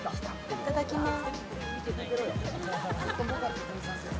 いただきまーす。